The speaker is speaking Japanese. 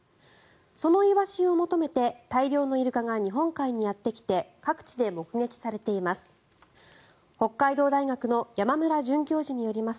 そのイワシを求めて大量のイルカが日本海にやってきて各地で目撃されています。